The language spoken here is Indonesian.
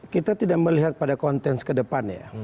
kita tidak melihat pada konteks ke depannya